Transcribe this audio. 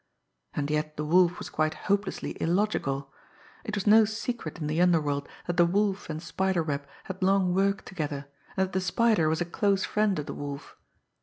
And yet the Wolf was quite hopelessly illogical! It was no secret in the underworld that the Wolf and Spider Webb had long worked together, and that the Spider was a close friend of the Wolf.